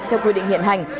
theo quy định hiện hành